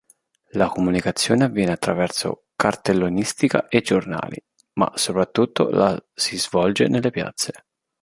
La comunicazione avviene attraverso cartellonistica e giornali, ma soprattutto la si svolge nelle piazze.